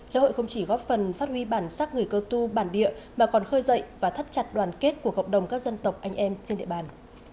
lễ hội không chỉ góp phần phát huy bản sắc người cơ tu bản địa mà còn khơi dậy và thắt chặt đoàn kết của cộng đồng các dân tộc anh em trên địa bàn